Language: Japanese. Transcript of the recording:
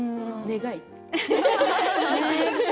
願い。